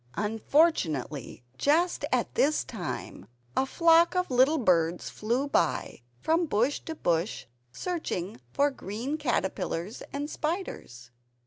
Unfortunately, just at this time a flock of little birds flew by, from bush to bush, searching for green caterpillars and spiders.